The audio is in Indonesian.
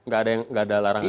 tidak ada larangan